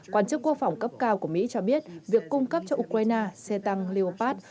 quan chức quốc phòng cấp cao của mỹ cho biết việc cung cấp cho ukraine xe tăng liềupat